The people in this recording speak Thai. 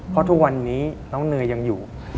เพราะทุกวันนี้น้องเนยยังอยู่